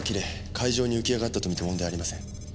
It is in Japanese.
海上に浮き上がったと見て問題ありません。